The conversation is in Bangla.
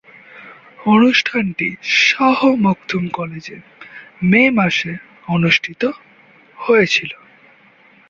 অনুষ্ঠানটি শাহ মখদুম কলেজে মে মাসে অনুষ্ঠিত হয়েছিলো।